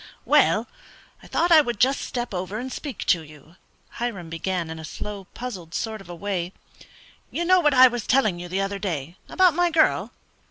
"Well, I thought I would just step over and speak to you," Hiram began, in a slow, puzzled sort of a way. "You know what I was telling you the other day about my girl?"